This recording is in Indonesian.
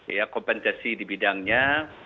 ya kompensasi di bidangnya